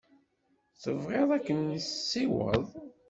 Tebɣiḍ ad k-nessiweḍ?